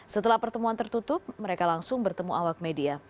setelah pertemuan tertutup mereka langsung bertemu awak media